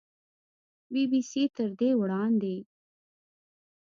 بي بي سي تر دې وړاندې